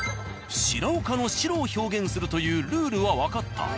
白岡の「白」を表現するというルールはわかった。